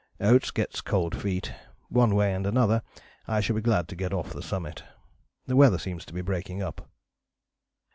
Oates gets cold feet. One way and another I shall be glad to get off the summit!... The weather seems to be breaking up."